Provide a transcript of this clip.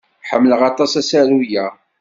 Ḥemmleɣ aṭas asaru-a.